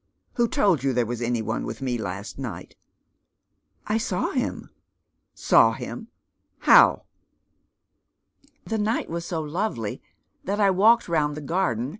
Who told you there was any one with me last night ?"I saw liim." "Saw him? How?" The night was so lovely, that I walked round the garden A Mysterious Visitor.